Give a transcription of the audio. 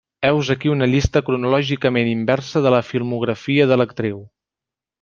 Heus aquí una llista cronològicament inversa de la filmografia de l'actriu.